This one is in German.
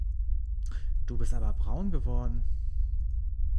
Du bist aber braun geworden!